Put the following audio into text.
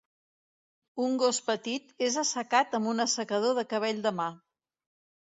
Un gos petit és assecat amb un assecador del cabell de mà.